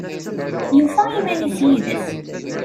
Yufa iman-is yid-s